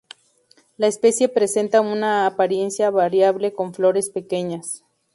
La especie presenta una apariencia variable con flores pequeñas.